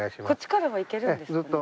こっちからは行けるんですか？